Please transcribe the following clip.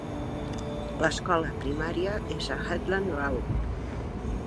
L"escola primària és a Headland Road.